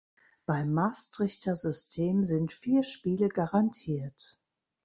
Beim "Maastrichter System" sind vier Spiele garantiert.